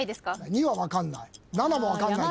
２は分かんない。